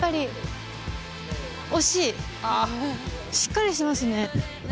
しっかりしてますね。